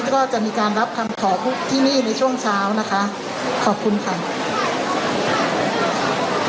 ก็จะมีการรับคำขอที่นี่ในช่วงเช้านะคะขอบคุณค่ะ